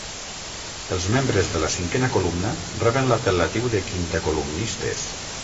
Els membres de la cinquena columna reben l'apel·latiu de quintacolumnistes.